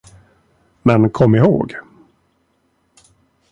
Men kom ihåg!